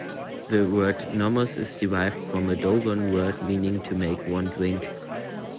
The word Nommos is derived from a Dogon word meaning to make one drink.